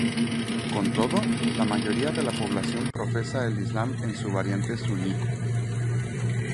Con todo, la mayoría de la población profesa el Islam en su variante sunní.